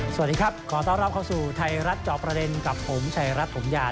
สวัสดีครับขอต้อนรับเข้าสู่ไทยรัฐจอบประเด็นกับผมชัยรัฐถมยา